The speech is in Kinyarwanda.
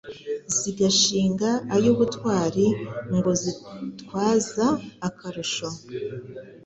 Zigashinga ay'ubutwari Ngo zitwaza akarusho.